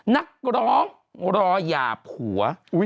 นักร้องรอย่าผัว